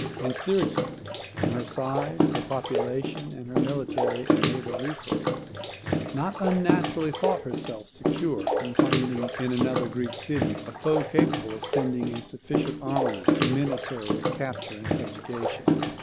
And Syracuse, from her size, her population, and her military and naval resources, not unnaturally thought herself secure from finding in another Greek city a foe capable of sending a sufficient armament to menace her with capture and subjection.